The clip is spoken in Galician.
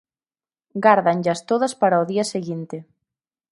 Gárdanllas todas para o día seguinte.